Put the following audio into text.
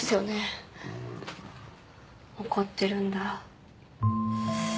怒ってるんだ。